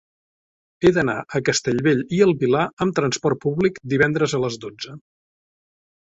He d'anar a Castellbell i el Vilar amb trasport públic divendres a les dotze.